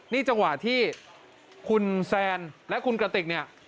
นี่จังหวะที่คุณแซนและคุณกระติกเนี่ย